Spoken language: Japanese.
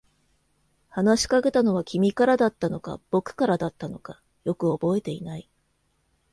話しかけたのは君からだったのか、僕からだったのか、よく覚えていない。